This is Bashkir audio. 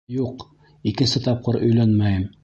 Юҡ, икенсе тапҡыр өйләнмәйем!